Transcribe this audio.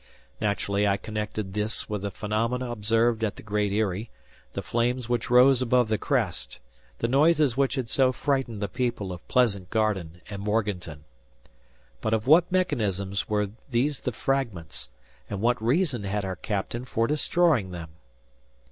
Naturally I connected this with the phenomena observed at the Great Eyrie, the flames which rose above the crest, the noises which had so frightened the people of Pleasant Garden and Morganton. But of what mechanisms were these the fragments, and what reason had our captain for destroying them?